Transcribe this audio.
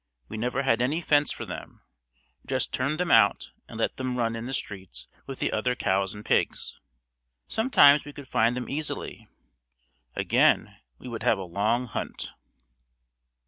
We never had any fence for them, just turned them out and let them run in the streets with the other cows and pigs. Sometimes we could find them easily. Again we would have a long hunt.